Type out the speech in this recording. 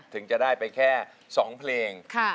ถึงจะได้ไปแค่๒เพลง